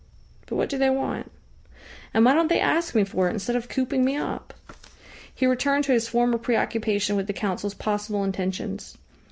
But what do they want? And why don't they ask me for it instead of cooping me up?" He returned to his former preoccupation with the Council's possible intentions.